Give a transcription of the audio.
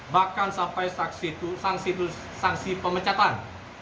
bahkan sampai sanksi pemecatan